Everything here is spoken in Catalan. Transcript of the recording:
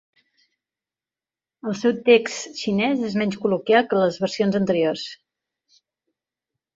El seu text xinès és menys col·loquial que les versions anteriors.